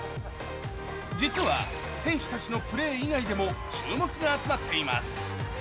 実は選手たちのプレー以外でも注目が集まっています。